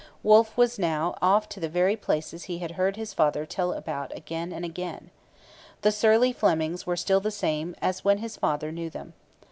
Wolfe was now off to the very places he had heard his father tell about again and again. The surly Flemings were still the same as when his father knew them.